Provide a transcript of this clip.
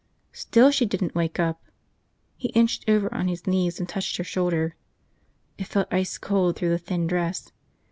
Still she didn't wake up. He inched over on his knees and touched her shoulder. It felt ice cold through the thin dress.